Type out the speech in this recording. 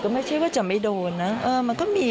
ไม่ใช่ว่าจะไม่โดนนะมันก็มี